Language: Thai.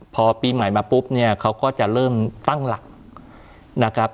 พอปีใหม่มาปุ๊บเนี่ยเขาก็จะเริ่มตั้งหลักนะครับ